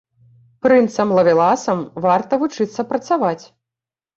Прынцам-лавеласам варта вучыцца працаваць.